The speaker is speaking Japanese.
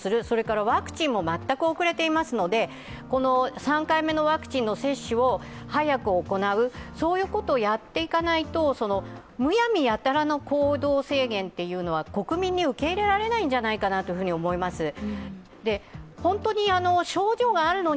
それからワクチンも全く遅れていますから３回目のワクチンの接種を早く行うことをやっていかないとむやみやたらの行動制限というのは国民に受け入れられないんじゃないかなと思います。